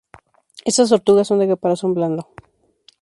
Estas tortugas son de caparazón blando.